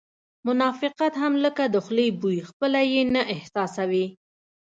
منافقت هم لکه د خولې بوی خپله یې نه احساسوې